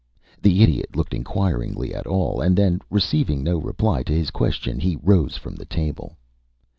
The Idiot looked inquiringly at all, and then, receiving no reply to his question, he rose from the table.